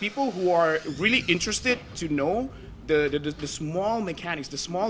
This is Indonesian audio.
agar orang orang yang sangat tertarik untuk mengetahui mekanik kecil